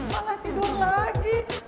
malah tidur lagi